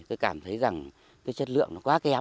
tôi cảm thấy rằng cái chất lượng nó quá kém